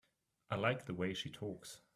I like the way she talks.